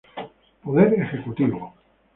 Poder Ejecutivo.